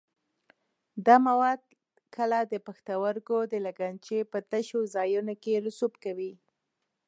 دا مواد کله د پښتورګو د لګنچې په تشو ځایونو کې رسوب کوي.